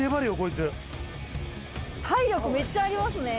体力めっちゃありますね。